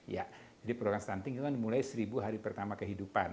ya jadi program stunting itu kan dimulai seribu hari pertama kehidupan